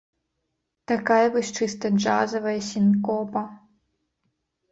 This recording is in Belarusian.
Такая вось чыста джазавая сінкопа.